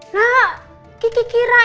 cukup sekarang gua merokok